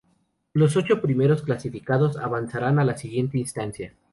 Los ocho primeros clasificados avanzarán a la siguiente instancia.